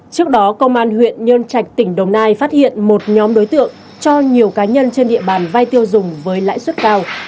trước đó công an huyện nhân trạch tỉnh đồng nai phát hiện một nhóm đối tượng cho nhiều cá nhân trên địa bàn vay tiêu dùng với lãi suất cao